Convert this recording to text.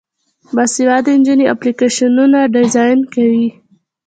باسواده نجونې اپلیکیشنونه ډیزاین کوي.